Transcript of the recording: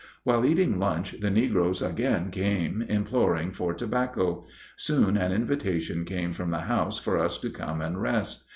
While eating lunch the negroes again came imploring for tobacco. Soon an invitation came from the house for us to come and rest.